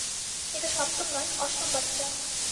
এটা সপ্তম নয়, অষ্টম বাচ্চা।